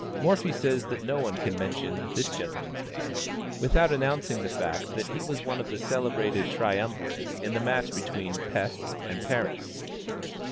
Morphy says that no one can mention this gentleman's name, without announcing the fact that he was one of the celebrated triumvirate in the match between Pesth and Paris.